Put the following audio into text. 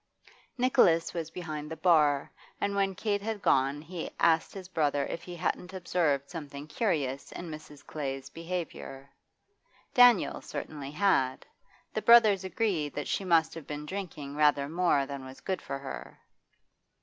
Nicholas was behind the bar, and when Kate had gone he asked his brother if he hadn't observed something curious in Mrs. Clay's behaviour. Daniel certainly had; the brothers agreed that she must have been drinking rather more than was good for her.